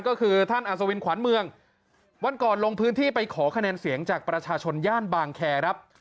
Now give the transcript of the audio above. ก็คือท่านอัศวินขวัญเมืองวันก่อนลงพื้นที่ไปขอคะแนนเสียงจากประชาชนย่านบางแคร์ครับ